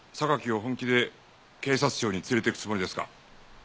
榊を本気で警察庁に連れて行くつもりですか？